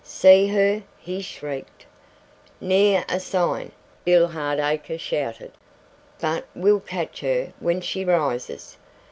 "See her?" he shrieked. "Ne'er a sign," Bill Hardacre shouted. "But we'll catch her when she rises.